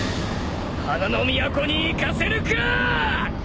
花の都に行かせるか！